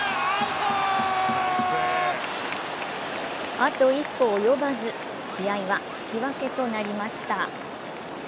あと一歩及ばず、試合は引き分けとなりました。